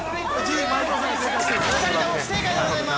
◆お二人とも不正解でございます。